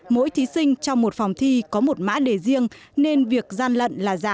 mỗi thí sinh trong một phòng thi có một mã đề riêng nên việc gian lận là giả